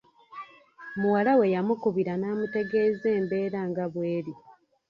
Muwala we yamukubira n'amutegeeza embeera nga bweri.